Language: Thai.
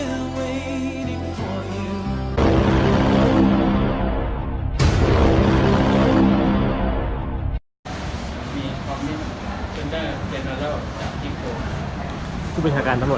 คุณสัมมุติทำรวดแห่งชาติโทรกลับมาแล้วนะครับ